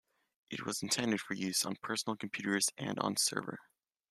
It was intended for use on personal computers and on server.